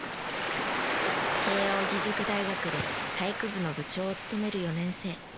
慶應義塾大学で俳句部の部長を務める４年生。